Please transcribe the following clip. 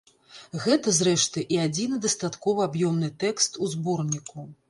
Гэта, зрэшты, і адзіны дастаткова аб'ёмны тэкст у зборніку.